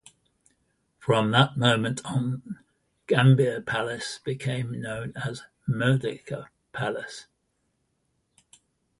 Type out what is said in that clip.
From that moment, Gambir Palace became known as Merdeka Palace.